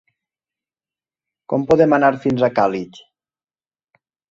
Com podem anar fins a Càlig?